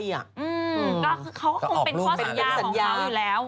ก็คือเขาก็คงเป็นข้อสัญญาของเขาอยู่แล้ว